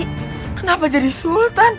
kenapa jadi sultan